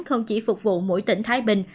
không chỉ phục vụ mỗi tỉnh thái bình